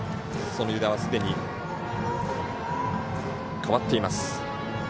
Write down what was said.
その湯田はすでに代わっています。